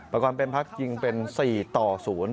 ประกอบเพ็มพัคยิงเป็นสี่ต่อศูนย์